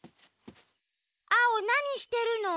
アオなにしてるの？